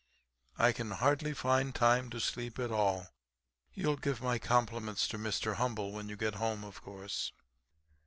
I can hardly find time to sleep at all. You'll give my compliments to Mr. Humble when you get home, of course.'